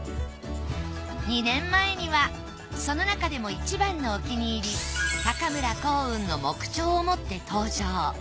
２年前にはその中でもいちばんのお気に入り村光雲の木彫を持って登場。